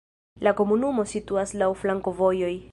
La komunumo situas laŭ flankovojoj.